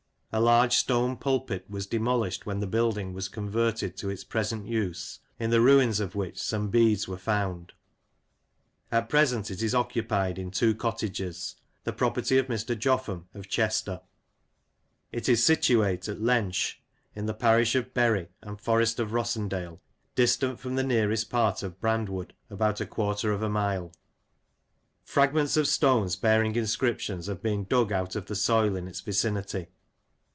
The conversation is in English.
A large stone Pulpit was demolished when the Build ing was converted to its present use, in the ruins of which some Beads were found. At present it is occupied in 2 Cottages, the property of Mr. Jopham, of Chester. It is situate at Lench, in the Parish of Bury and Forest of Rossendale, distant from the nearest part of Brandwood about J5^ of a mile." Fragments of stones, bearing inscriptions, have been dug out of the soil in its vicinity.